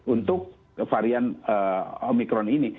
untuk varian omikron ini